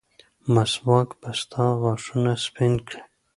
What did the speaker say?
مسواک به ستا غاښونه سپین کړي.